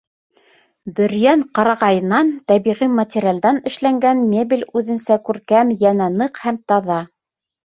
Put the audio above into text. Бөрйән ҡарағайынан, тәбиғи материалдан эшләнгән мебель үҙенсә күркәм, йәнә ныҡ һәм таҙа.